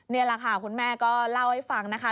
นี่แหละค่ะคุณแม่ก็เล่าให้ฟังนะคะ